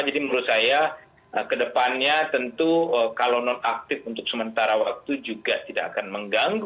jadi menurut saya kedepannya tentu kalau nonaktif untuk sementara waktu juga tidak akan mengganggu